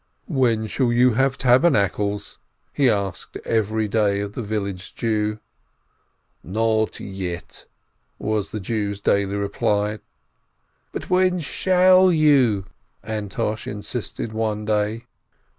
"When shall you have Tabernacles?" he asked every day of the village Jew. "Not yet," was the Jew's daily reply. "But when shall you ?" Antosh insisted one day.